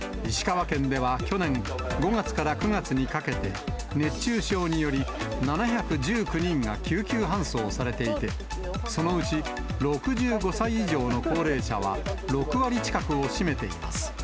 石川県では去年５月から９月にかけて、熱中症により７１９人が救急搬送されていて、そのうち６５歳以上の高齢者は６割近くを占めています。